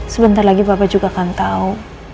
sebentar lagi bapak juga akan tahu